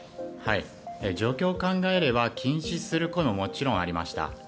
状況を考えれば禁止する声ももちろんありました。